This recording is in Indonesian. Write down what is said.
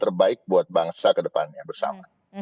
terbaik buat bangsa kedepannya bersama